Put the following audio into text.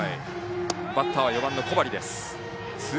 バッターは４番の小針。